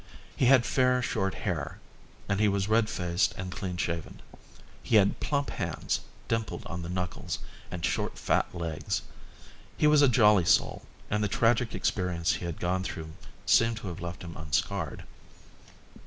He had fair short hair, and he was red faced and clean shaven. He had plump hands, dimpled on the knuckles, and short fat legs. He was a jolly soul, and the tragic experience he had gone through seemed to have left him unscarred.